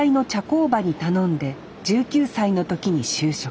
工場に頼んで１９歳の時に就職。